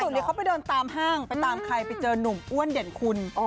ล่าสุดนี้เขาไปเดินตามห้างไปตามใครเจอนุ่มอ้วนเด่นคน